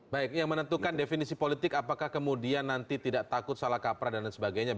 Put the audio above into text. baik yang menentukan definisi politik apakah kemudian nanti tidak takut salah kaprah dan lain sebagainya